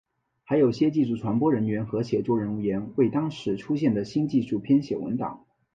还有些技术传播人员和写作人员为当时出现的新技术编写文档。